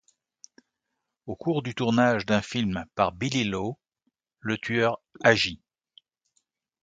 Au cours du tournage d'un film par Billy Lo, le tueur agit.